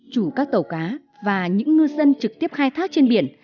chủ các tàu cá và những ngư dân trực tiếp khai thác trên biển